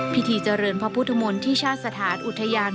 พิธีเจริญพระพุทธมนตที่ชาติสถานอุทยาน